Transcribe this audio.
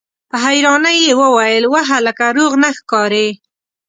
په حيرانۍ يې وويل: وه هلکه! روغ نه ښکارې!